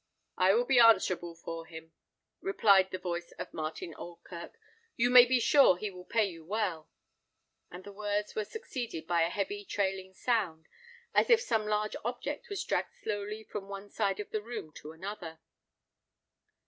"I will be answerable for him," replied the voice of Martin Oldkirk. "You may be sure he will pay you well;" and the words were succeeded by a heavy trailing sound, as if some large object was dragged slowly from one side of the room to another.